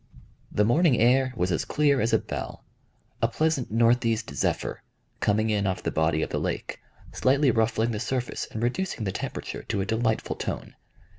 The morning air was as clear as a bell, a pleasant northeast zephyr, coming in off the body of the lake, slightly ruffling the surface and reducing the temperature to a delightful tone.